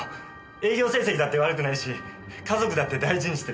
営業成績だって悪くないし家族だって大事にしてる。